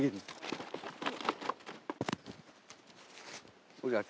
ôi trời ơi ông đây rồi